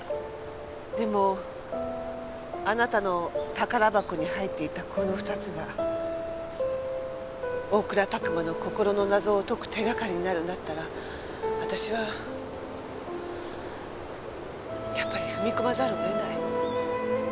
でもあなたの宝箱に入っていたこのニつが大倉琢磨の心の謎を解く手がかりになるんだったら私はやっぱり踏み込まざるを得ない。